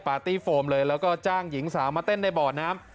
โฟมเลยแล้วก็จ้างหญิงสาวมาเต้นในบ่อน้ำ